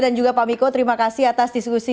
dan juga pak miko terima kasih atas diskusi